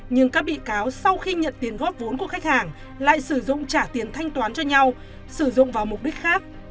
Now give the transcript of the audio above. nhưng các bị cáo sau khi nhận tiền góp vốn của khách hàng lại sử dụng trả tiền thanh toán cho nhau sử dụng vào mục đích khác